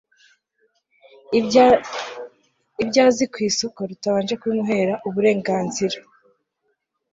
ibyo azi ku isoko rutabanje kubimuhera uburenganzira